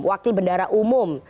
wakil bendara umum